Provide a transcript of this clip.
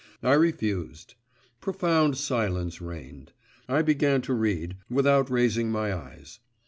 I refused. Profound silence reigned. I began to read, without raising my eyes.